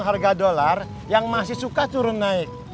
harga dolar yang masih suka turun naik